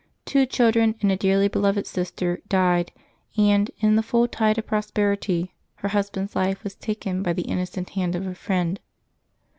Two children and a dearly be loved sister died, and, in the full tide of prosperity, her husband^s life was taken by the innocent hand of a friend.